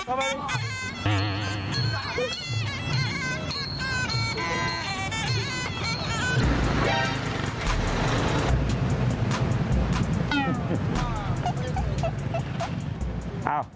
จ๊ะเอ๊